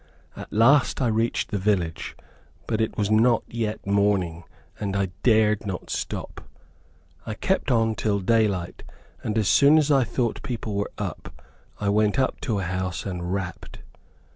At last I reached the village, but it was not yet morning, and I dared not stop. I kept on till daylight, and as soon as I thought people were up, I went up to a house and rapped.